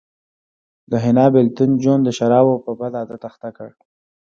د حنا بېلتون جون د شرابو په بد عادت اخته کړ